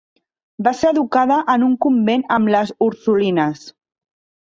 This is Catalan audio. Va ser educada en un convent amb les Ursulines.